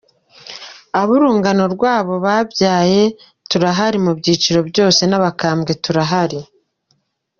Ab’urungano rw’abo babyaye turahari mu byiciro byose n’abakambwe turahari.